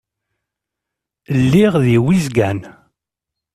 Lliɣ di Wizgan.